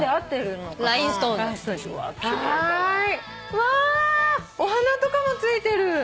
うわお花とかも付いてる。